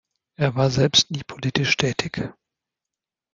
Er war selbst nie politisch tätig.